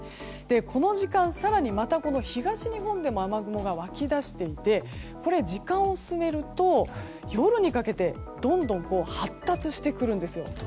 この時間、更にまた東日本でも雨雲が湧きだしていてこれ、時間を進めると夜にかけてどんどん発達してくるんですよ。